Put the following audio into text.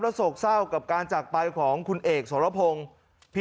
โศกเศร้ากับการจากไปของคุณเอกสรพงศ์